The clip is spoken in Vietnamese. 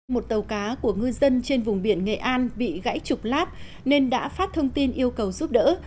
một tàu cá của ngư dân trên vùng biển nghệ an bị gãy trục lát nên đã phát thông tin yêu cầu giúp đỡ